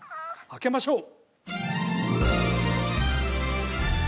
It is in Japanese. あけましょう！